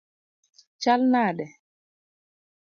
Chal nade?